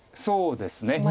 そうですね。